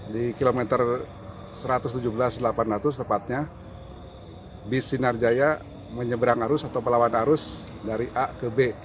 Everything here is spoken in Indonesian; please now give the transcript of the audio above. di kilometer satu ratus tujuh belas delapan ratus tepatnya bis sinarjaya menyeberang arus atau melawan arus dari a ke b